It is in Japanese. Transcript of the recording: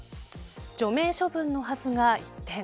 除名処分のはずが一転。